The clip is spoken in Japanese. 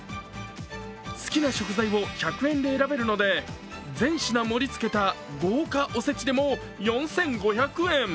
好きな食材を１００円で選べるので全品盛り付けた豪華おせちでも４５００円！